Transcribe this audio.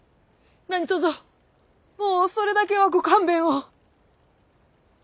何とぞもうそれだけはご勘弁を！